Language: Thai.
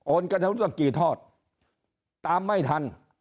โอนกันทั้งตั้งกี่ทอดตามไม่ทัน